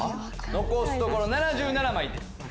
残すところ７７枚。